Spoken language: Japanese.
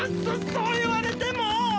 そういわれても！